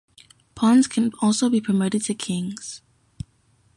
Pawns can also be promoted to Kings.